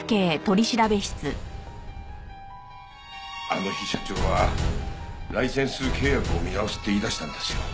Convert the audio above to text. あの日社長はライセンス契約を見直すって言い出したんですよ。